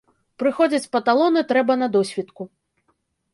Прыходзіць па талоны трэба на досвітку.